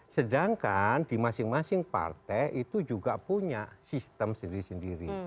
sedangkan di masing masing partai itu juga punya sistem sendiri sendiri